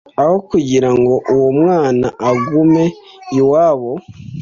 Aho kugira ngo uwo mwana agume iwabo